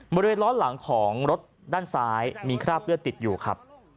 บริเวณล้อหลังของรถด้านซ้ายมีคราบเลือดติดอยู่ครับ